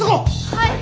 はい！